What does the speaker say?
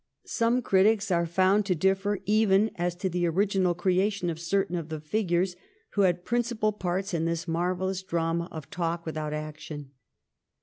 Some critics are found to differ even as to the original creation of certain of the figures who had principal parts in this marvellous drama of talk without action.